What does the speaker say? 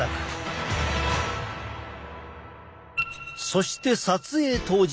そして撮影当日。